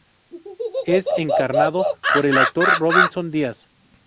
Es encarnado por el actor Robinson Díaz.